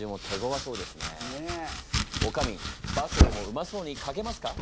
おかみ「暴露」もうまそうに書けますか？